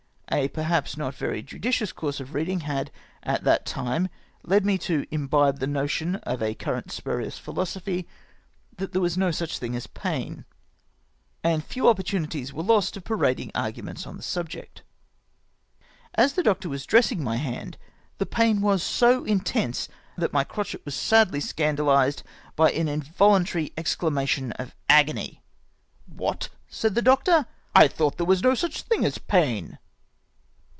A per haps not very judicious course of reading had at that time led me to imbibe the notion of a current spurious philosophy, that there was no such thing as pain, and few opportunities were lost of parading arguments on the subject. As the doctor was dressmg my hand, the pain was so intense that my crotchet was sadly scandahsed by an involuntary exclamation of agony, " What !" said the doctor, " I thought there was no such thing as pain